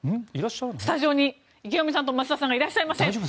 スタジオに池上さんと増田さんがいらっしゃいません。